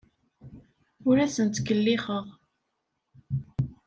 Ur asen-ttkellixeɣ.